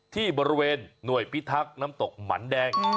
ที่บริเวณหน่วยพิทักษ์น้ำตกหมันแดง